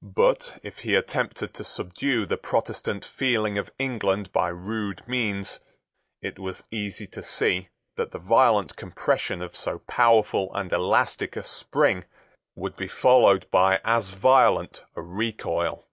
But, if he attempted to subdue the Protestant feeling of England by rude means, it was easy to see that the violent compression of so powerful and elastic a spring would be followed by as violent a recoil.